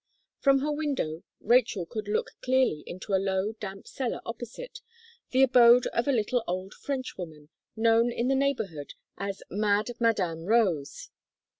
From her window, Rachel could look clearly into a low damp cellar opposite, the abode of a little old Frenchwoman, known in the neighbourhood, as "mad Madame Rose."